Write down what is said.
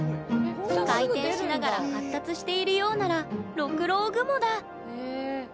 回転しながら発達しているようなら、六郎雲だ。